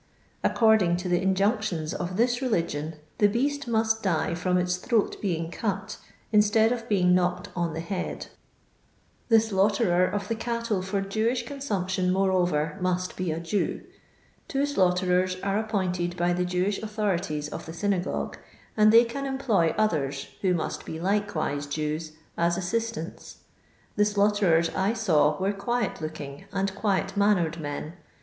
According to the injunctions of this religion the beast must die from its throat being cut, instead of being knocked on the head. The slaughterer of the cattle for Jewish con sumption, moreover, must be a Jew. Two slaughterers are appointed by the Jewish autho rities of the synagogue, and they can employ others, who must be likewise Jews, as assistants. The slaughterers I saw were quiet looking and quiet mannered men.